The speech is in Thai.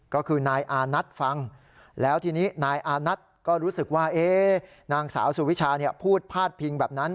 ก็คือนายอานัทฟังแล้วทีนี้นายอานัทก็รู้สึกว่านางสาวสุวิชาพูดพาดพิงแบบนั้น